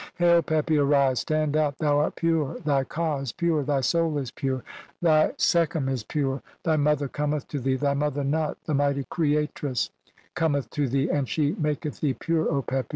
"Hail, Pepi, arise, stand up! (112) Thou art pure, "thy ka is pure, thy soul is pure, thy sekhem is pure ! "Thy mother cometh to thee, thy mother Nut, the "mighty creatress, cometh to thee, and she maketh "thee pure, O Pepi.